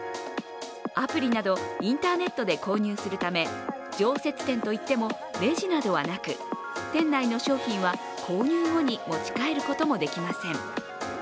アプリなどインターネットで購入するため、常設店といってもレジなどはなく、店内の商品は購入後に持ち帰ることもできません。